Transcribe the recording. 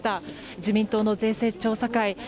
自民党の税制調査会。